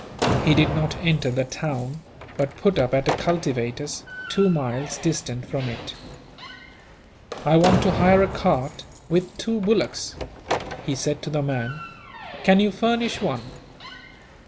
He did not enter the town; but put up at a cultivator's, two miles distant from it. "I want to hire a cart, with two bullocks," he said to the man. "Can you furnish one?"